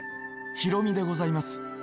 ヒロミでございます。